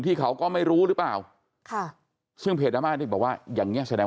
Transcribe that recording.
เขาก็ไม่รู้หรือเปล่าค่ะซึ่งเพจอาม่านี่บอกว่าอย่างเงี้แสดง